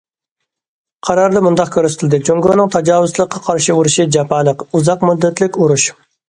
قاراردا مۇنداق كۆرسىتىلدى: جۇڭگونىڭ تاجاۋۇزچىلىققا قارشى ئۇرۇشى جاپالىق، ئۇزاق مۇددەتلىك ئۇرۇش.